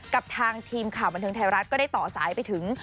กับทางทีมข่าวบันเทิงไทยรัฐก็ได้ต่อสายไปถึง